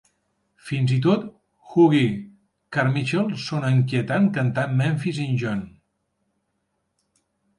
Fins i tot Hoagy Carmichael sona inquietant cantant Memphis in June.